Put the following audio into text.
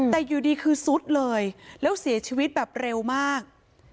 แต่อยู่ดีคือซุดเลยแล้วเสียชีวิตแบบเร็วมาก